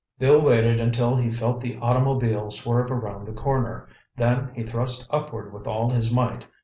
Bill waited until he felt the automobile swerve around the corner. Then he thrust upward with all his might.